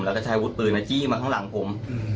แล้วก็ใช้วุฒิปืนจี้มาข้างหลังผม